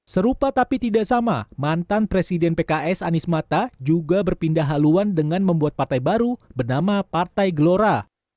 serupa tapi tidak sama mantan presiden pks anies mata juga berpindah haluan dengan membuat partai baru bernama partai gelora